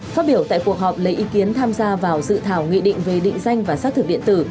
phát biểu tại cuộc họp lấy ý kiến tham gia vào dự thảo nghị định về định danh và xác thực điện tử